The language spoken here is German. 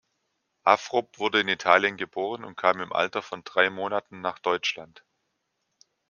Afrob wurde in Italien geboren und kam im Alter von drei Monaten nach Deutschland.